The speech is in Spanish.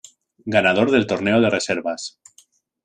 Ganador del torneo de reservas.